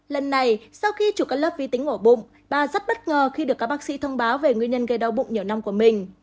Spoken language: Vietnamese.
lần này sau khi chụp các lớp vi tính ổ bụng bà rất bất ngờ khi được các bác sĩ thông báo về nguyên nhân gây đau bụng nhiều năm của mình